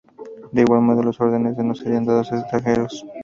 De igual modo, las órdenes no serían dados a extranjeros.